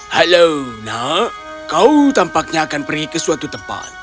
halo nak kau tampaknya akan pergi ke suatu tempat